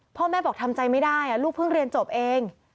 พ่อแม่บอกทำใจไม่ได้ลูกเพิ่งเรียนจบเอง